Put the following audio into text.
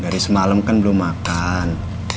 dari semalam kan belum makan